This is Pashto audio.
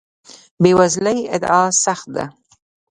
بې وزلۍ ادعا سخت ده.